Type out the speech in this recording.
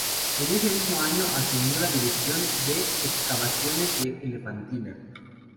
En ese mismo año, asumió la dirección de las excavaciones de Elefantina.